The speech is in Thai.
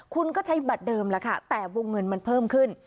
คุณก็ใช้บัตรเดิมแล้วค่ะแต่วงเงินมันเพิ่มขึ้น